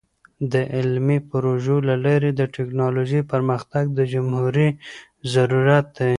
د علمي پروژو له لارې د ټیکنالوژۍ پرمختګ د جمهوری ضروری دی.